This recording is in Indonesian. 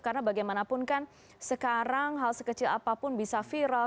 karena bagaimanapun kan sekarang hal sekecil apapun bisa viral